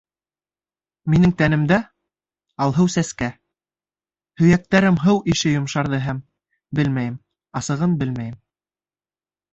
Минең Тәнемдә — Алһыу Сәскә, һөйәктәрем һыу ише йомшарҙы һәм... белмәйем, асығын белмәйем.